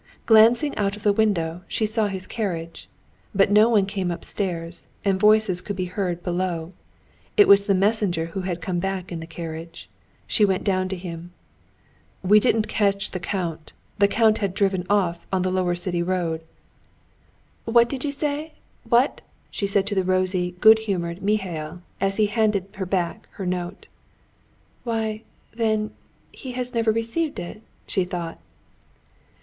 Glancing out of the window, she saw his carriage. But no one came upstairs, and voices could be heard below. It was the messenger who had come back in the carriage. She went down to him. "We didn't catch the count. The count had driven off on the lower city road." "What do you say? What!..." she said to the rosy, good humored Mihail, as he handed her back her note. "Why, then, he has never received it!" she thought.